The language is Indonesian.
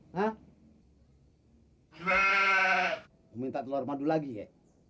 hai minta telur madu lagi ya